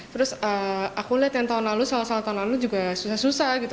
terus aku lihat yang tahun lalu sama sama tahun lalu juga susah susah gitu